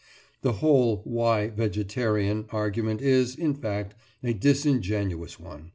The whole "Why 'vegetarian'?" argument is, in fact, a disingenuous one.